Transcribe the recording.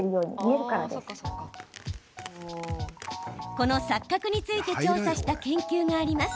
この錯覚について調査した研究があります。